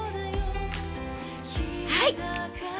はい。